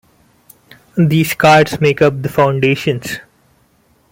These cards make up the foundations.